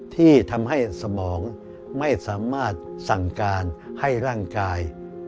ที่ทำให้สมองไม่สามารถสั่งการให้ร่างกาย